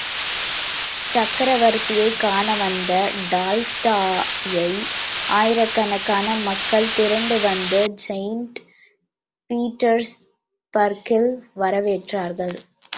சக்கரவர்த்தியைக் காணவந்த டால்ஸ்டாயை ஆயிரக்கணக்கான மக்கள் திரண்டு வந்து செயிண்ட் பீட்டர்ஸ் பர்க்கில் வரவேற்றார்கள்.